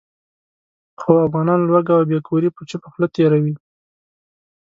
خو افغانان لوږه او بې کوري په چوپه خوله تېروي.